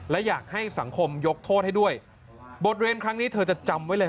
และอยากให้สังคมยกโทษให้ด้วยบทเรียนครั้งนี้เธอจะจำไว้เลย